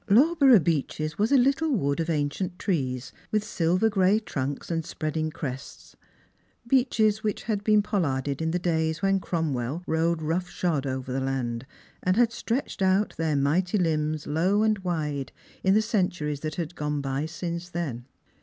Lawborough Beeches was a little wood of ancient trees, with silver gray trunks and spreading crests; beecnes which had been pollarded in the days when Cromwell rode rough shod oyer the land, and had stretched out their mighty limbs low and wide in the centuries that had gone by since then.